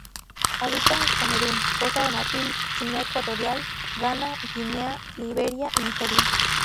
Habita en Camerún, Costa de Marfil, Guinea Ecuatorial, Ghana, Guinea, Liberia y Nigeria.